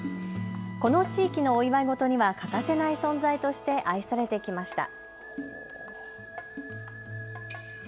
この地域のお祝い事には欠かせない存在として愛されてきました。